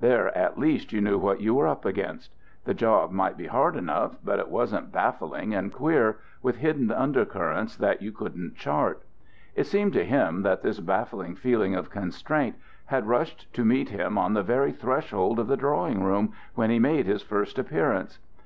There, at least, you knew what you were up against. The job might be hard enough, but it wasn't baffling and queer, with hidden undercurrents that you couldn't chart. It seemed to him that this baffling feeling of constraint had rushed to meet him on the very threshold of the drawing room, when he made his first appearance.